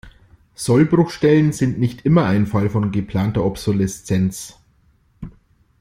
Sollbruchstellen sind nicht immer ein Fall von geplanter Obsoleszenz.